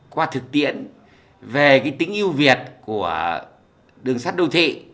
qua thực tiễn về tính yêu việt của đường sắt đô thị